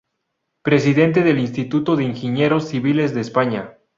Presidente del Instituto de Ingenieros Civiles de España.